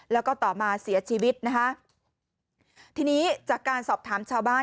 แล้วก็ต่อมาเสียชีวิตนะคะทีนี้จากการสอบถามชาวบ้าน